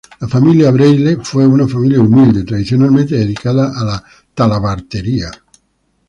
La familia Braille fue una familia humilde, tradicionalmente dedicada a la talabartería.